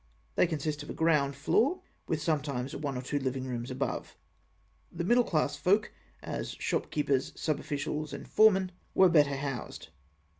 They consist of a ground floor, with sometimes one or two living rooms above. The middle class folk, as shopkeepers, sub officials, and foremen, were better housed.